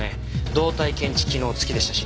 動体検知機能付きでしたし。